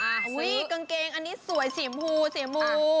อันนี้สวยสีมูแสดงที่มู